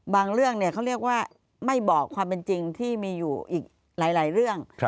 เรื่องเขาเรียกว่าไม่บอกความเป็นจริงที่มีอยู่อีกหลายเรื่อง